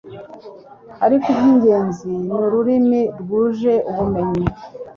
ariko icy’ingenzi ni ururimi rwuje ubumenyi